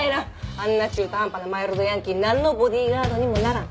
あんな中途半端なマイルドヤンキーなんのボディーガードにもならん。